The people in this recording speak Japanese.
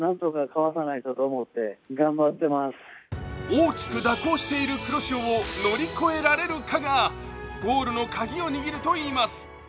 大きく蛇行している黒潮を乗り越えられるかがゴールのカギを握るといいます。